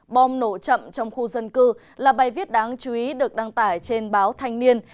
bom nổ chậm trong khu dân cư là bài viết đáng chú ý được đăng tải trên báo thanh niên